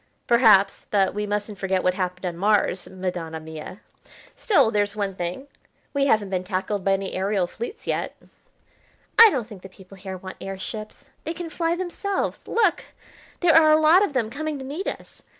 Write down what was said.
"Perhaps, but we mustn't forget what happened on Mars, Madonna mia. Still, there's one thing, we haven't been tackled by any aerial fleets yet." "I don't think the people here want air ships. They can fly themselves. Look! there are a lot of them coming to meet us.